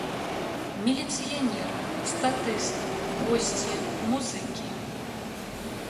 Міліцыянер, статыст, госці, музыкі.